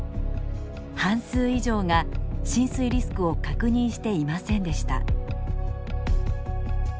半数以上が浸水リスクを確認していませんでした。